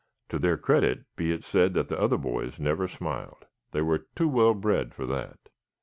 To their credit be it said that the other boys never smiled. They were too well bred for that.